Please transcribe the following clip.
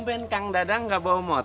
tidak isan itu sedang mengamanin pakan gita